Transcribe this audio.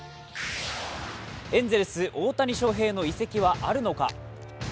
エンゼルス・大谷翔平の移籍はあるのか。